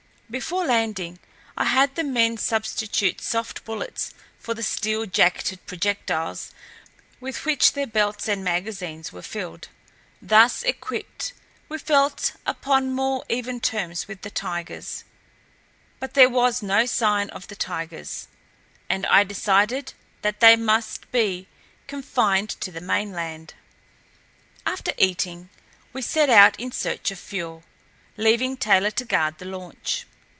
Before landing, I had the men substitute soft bullets for the steel jacketed projectiles with which their belts and magazines were filled. Thus equipped, we felt upon more even terms with the tigers, but there was no sign of the tigers, and I decided that they must be confined to the mainland. After eating, we set out in search of fuel, leaving Taylor to guard the launch.